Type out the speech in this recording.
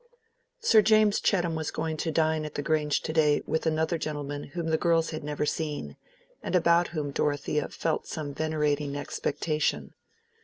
Sir James Chettam was going to dine at the Grange to day with another gentleman whom the girls had never seen, and about whom Dorothea felt some venerating expectation.